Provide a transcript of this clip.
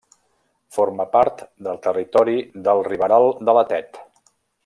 Forma part del territori del Riberal de la Tet.